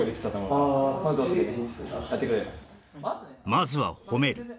まずは褒める